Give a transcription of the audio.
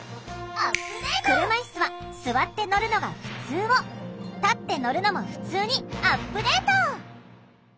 「車いすは座って乗るのがふつう」を「立って乗るのもふつう」にアップデート！